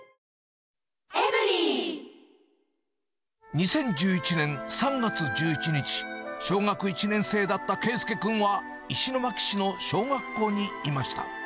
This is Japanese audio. ２０１１年３月１１日、小学１年生だった佳祐君は、石巻市の小学校にいました。